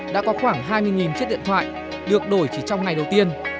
đã có khoảng hai mươi chiếc điện thoại được đổi chỉ trong ngày đầu tiên